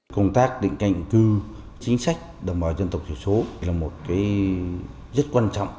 công tác định canh cư chính sách đồng bào dân tộc thiểu số là một cái rất quan trọng